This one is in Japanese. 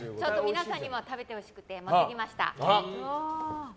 皆さんに食べてほしくて持ってきました。